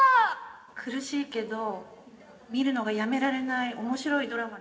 苦しいけど見るのがやめられない面白いドラマで。